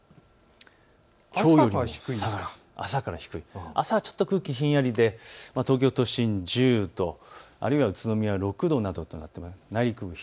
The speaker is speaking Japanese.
きょうより朝から低い、朝はちょっと空気ひんやりで東京都心１０度、あるいは宇都宮６度などとなっています。